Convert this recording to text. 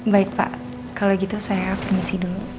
baik pak kalau gitu saya permisi dulu